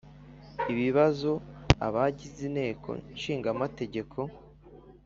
Ibibazo abagize Inteko Ishinga Amategeko